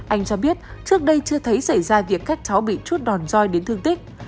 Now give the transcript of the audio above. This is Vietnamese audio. anh cho biết trước đây chưa thấy xảy ra việc các cháu bị chút đòn roi đến thương tích